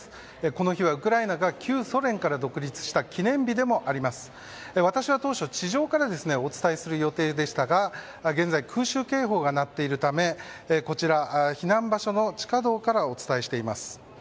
この日はウクライナが旧ソ連から独立した記念日でもあります。私は当初地上からお伝えする予定でしたが現在、空襲警報が鳴っているためこちら、避難場所の地下道からお伝えしています。